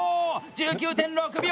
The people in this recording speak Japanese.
１９．６秒！